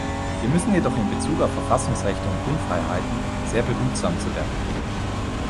Wir müssen jedoch in Bezug auf Verfassungsrechte und Grundfreiheiten sehr behutsam zu Werke gehen.